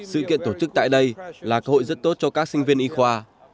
sự kiện tổ chức tại đây là cơ hội rất tốt cho các sinh viên y khoa